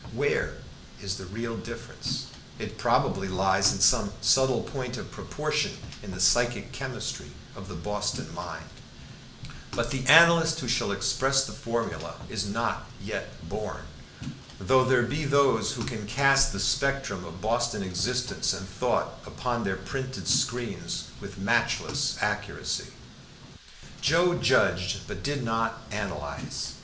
Where is the real difference? It probably lies in some subtle point of proportion in the psychic chemistry of the Boston mind, but the analyst who shall express the formula is not yet born; though there be those who can cast the spectrum of Boston existence and thought upon their printed screens with matchless accuracy. Joe judged but did not analyze.